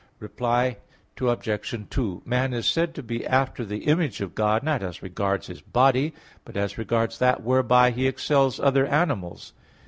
Reply Obj. 2: Man is said to be after the image of God, not as regards his body, but as regards that whereby he excels other animals.